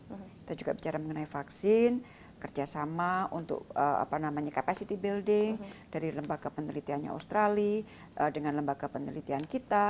kita juga bicara mengenai vaksin kerjasama untuk capacity building dari lembaga penelitiannya australia dengan lembaga penelitian kita